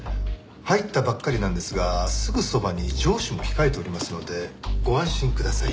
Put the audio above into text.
入ったばっかりなんですがすぐそばに上司も控えておりますのでご安心ください。